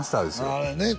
あれね